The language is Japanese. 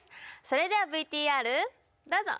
それではＶＴＲどうぞ！